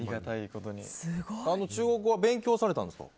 中国語は勉強されたんですか？